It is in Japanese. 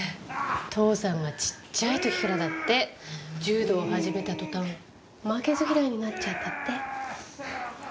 父さんがちっちゃいときからだって、柔道を始めたとたん、負けず嫌いになっちゃったって。